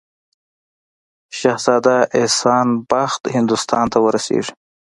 شهزاده احسان بخت هندوستان ته ورسیږي.